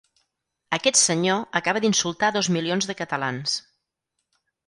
Aquest senyor acaba d'insultar dos milions de catalans.